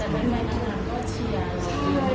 แต่ไว้ในนั้นว่าก็เชียร์